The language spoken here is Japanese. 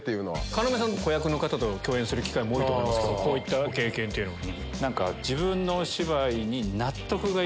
要さん子役の方と共演する機会も多いと思うんですけどこういった経験っていうのは？